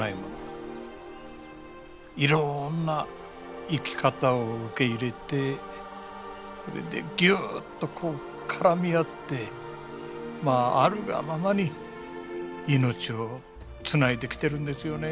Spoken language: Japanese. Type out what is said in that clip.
いろんな生き方を受け入れてぎゅっとこう絡み合ってまああるがままに命をつないできてるんですよね